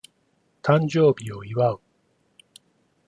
誕生日を祝う